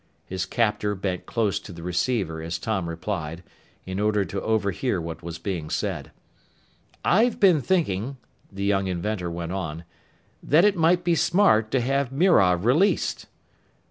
His captor bent close to the receiver as Tom replied, in order to overhear what was being said. "I've been thinking," the young inventor went on, "that it might be smart to have Mirov released."